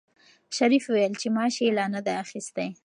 شریف وویل چې معاش یې لا نه دی اخیستی.